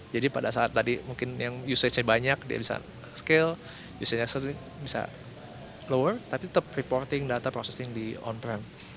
jadi pada saat tadi mungkin yang usagenya banyak bisa di scale usagenya bisa di lower tapi tetap reporting data processing di on prem